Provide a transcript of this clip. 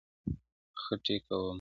خټي کوم,